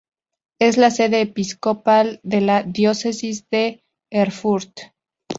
Es la sede episcopal de la diócesis de Erfurt.